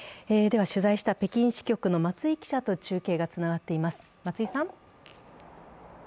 取材した北京支局の松井記者と中継がつながっています。